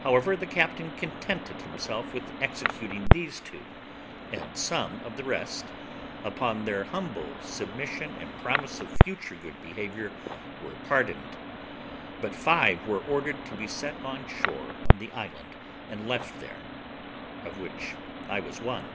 However, the captain contented himself with executing these two, and some of the rest, upon their humble submission and promise of future good behaviour, were pardoned; but five were ordered to be set on shore on the island and left there, of which I was one.